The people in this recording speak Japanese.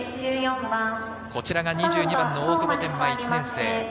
こちらが２２番の大久保天満、１年生。